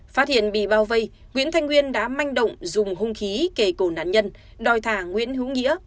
phát hiện bị bao vây nguyễn thanh nguyên đã manh động dùng hung khí kể cổ nạn nhân đòi thả nguyễn hữu nghĩa